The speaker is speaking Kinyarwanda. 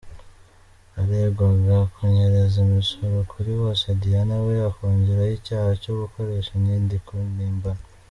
Baregwaga kunyereza imisoro kuri bose Diane we akongeraho icyaha cyo gukoresha inyandiko mpimbano.